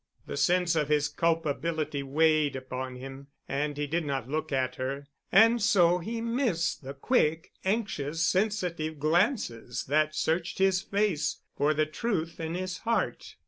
The sense of his culpability weighed upon him and he did not look at her, and so he missed the quick, anxious sensitive glances that searched his face for the truth in his heart.